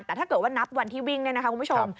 แต่ถ้าเกิดว่านับวันที่วิ่งคุณผู้ชม